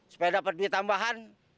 sepeda pedi tambahan